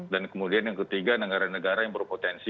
kemudian yang ketiga negara negara yang berpotensi